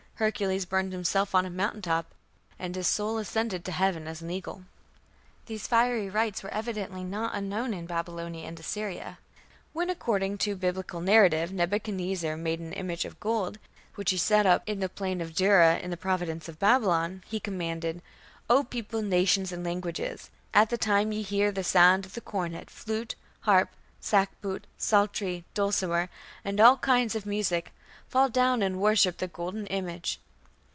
Hercules burned himself on a mountain top, and his soul ascended to heaven as an eagle. These fiery rites were evidently not unknown in Babylonia and Assyria. When, according to Biblical narrative, Nebuchadnezzar "made an image of gold" which he set up "in the plain of Dura, in the province of Babylon", he commanded: "O people, nations, and languages... at the time ye hear the sound of the cornet, flute, harp, sackbut, psaltery, dulcimer, and all kinds of musick... fall down and worship the golden image".